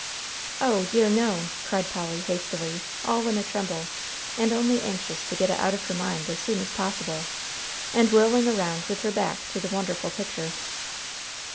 "O dear, no," cried Polly, hastily, all in a tremble, and only anxious to get it out of her mind as soon as possible, and whirling around with her back to the wonderful picture.